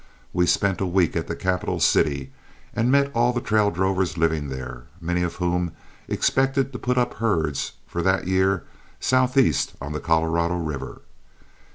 We spent a week at the capital city and met all the trail drovers living there, many of whom expected to put up herds for that year southeast on the Colorado River.